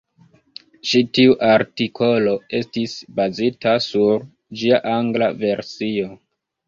Ĉi tiu artikolo estis bazita sur ĝia angla versio.